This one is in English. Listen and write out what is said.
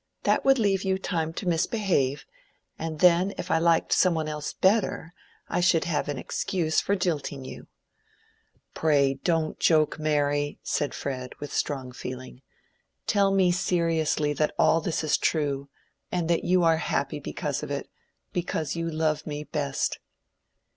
That would leave you time to misbehave, and then if I liked some one else better, I should have an excuse for jilting you." "Pray don't joke, Mary," said Fred, with strong feeling. "Tell me seriously that all this is true, and that you are happy because of it—because you love me best."